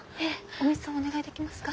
お水をお願いできますか。